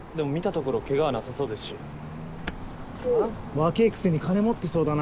若えくせに金持ってそうだな。